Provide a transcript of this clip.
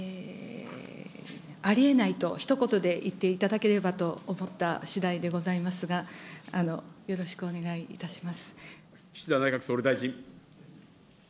ありえないと、ひと言で言っていただければと思ったしだいでございますが、よろ岸田内閣総理大臣。